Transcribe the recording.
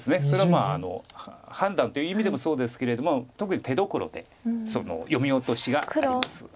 それはまあ判断という意味でもそうですけれども特に手どころでその読み落としがあります。